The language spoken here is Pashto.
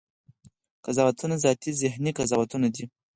قضاوتونه ذاتي ذهني قضاوتونه دي.